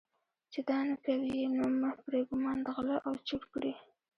چې دا نه کوي یې نومه پرې ګومان د غله او چور کړي.